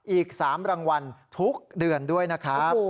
อีก๓รางวัลทุกเดือนด้วยนะครับ